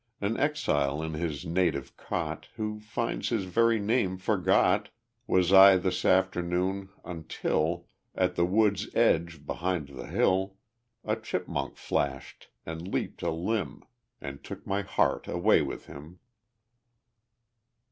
An exile in his native cot, Who finds his very name forgot, Was I this afternoon, until At the wood's edge behind the hill, A chipmunk flashed, and leapt a limb, And took my heart away with him.